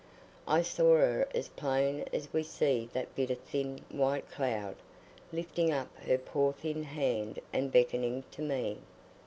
I saw her as plain as we see that bit of thin white cloud, lifting up her poor thin hand and beckoning to me.